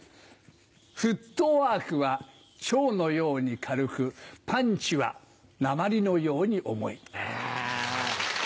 フットワークは蝶のように軽くパンチは鉛のように重い。